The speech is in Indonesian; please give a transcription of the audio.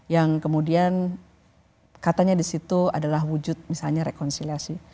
yang kemudian katanya di situ adalah wujud misalnya rekonsiliasi